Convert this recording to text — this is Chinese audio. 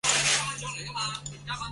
最后她没进小学念书